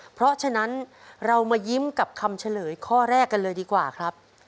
เพราะฉะนั้นเรามายิ้มกับคำเฉลยข้อแรกกันเลยดีกว่าครับ